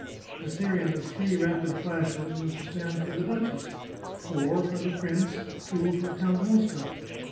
A series of three rapid flashes was to stand for the duchess, four for the prince, two for Count Mosca.